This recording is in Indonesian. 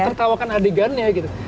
menertawakan adegannya gitu